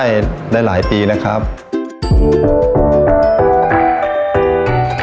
หนูดีใจมากเลยค่ะที่ได้นั่งกินข้าวบนโต๊ะเก้าอี้ที่แข็งแรงค่ะ